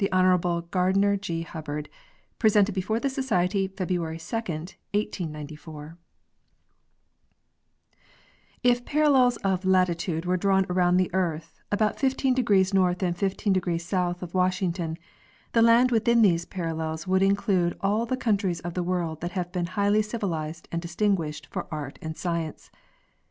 HONORABLE GARDINER G. HUBBARD (Presented before the Society February 2, 1894) If parallels of latitude were drawn around the earth about fifteen degrees north and fifteen degrees south of Washington, the land within these parallels would include all the countries of the world that have been highly civilized and distinguished for art and science.